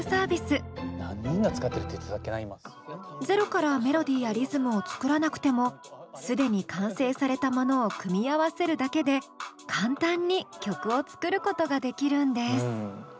ゼロからメロディーやリズムを作らなくても既に完成されたものを組み合わせるだけで簡単に曲を作ることができるんです。